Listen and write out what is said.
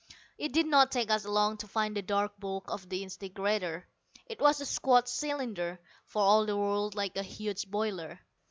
It did not take us long to find the dark bulk of the disintegrator. It was a squat cylinder, for all the world like a huge boiler.